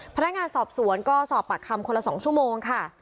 พนักงานสอบสวนก็สอบปากคำคนละ๒ชั่วโมงค่ะ